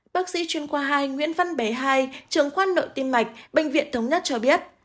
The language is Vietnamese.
bác sĩ chuyên qua hai nguyễn văn bé hai trường khoa nội tim mạch bệnh viện thống nhất cho biết